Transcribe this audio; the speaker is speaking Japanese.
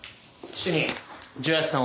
主任助役さんを。